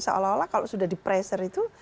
seolah olah kalau sudah depreser itu